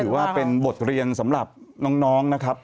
ว่าเป็นบทเรียนสำหรับน้องนะครับ